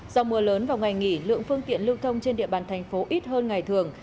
do mưa lớn vào ngày nghỉ lượng phương tiện lưu thông trên địa bàn thành phố ít hơn ngày thường